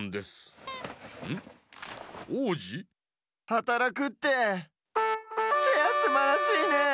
はたらくってチェアすばらしいね。